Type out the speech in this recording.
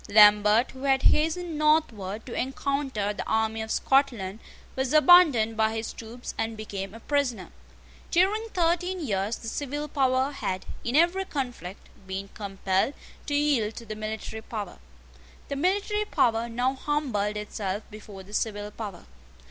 Lambert, who had hastened northward to encounter the army of Scotland, was abandoned by his troops, and became a prisoner. During thirteen years the civil power had, in every conflict, been compelled to yield to the military power. The military power now humbled itself before the civil power.